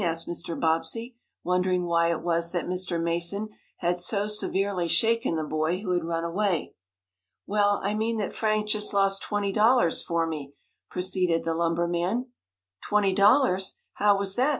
asked Mr. Bobbsey, wondering why it was that Mr. Mason had so severely shaken the boy who had run away. "Well, I mean that Frank just lost twenty dollars for me," proceeded the lumber man. "Twenty dollars! How was that?"